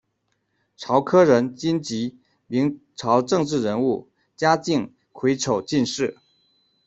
曹科人，军籍，明朝政治人物，嘉靖癸丑进士。